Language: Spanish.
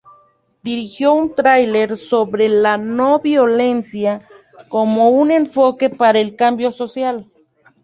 Dirigió un taller sobre la no violencia como un enfoque para el cambio social.